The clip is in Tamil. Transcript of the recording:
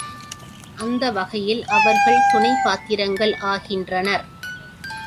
அந்த வகையில் அவர்கள் துணைப் பாத்திரங்கள் ஆகின்றனர்.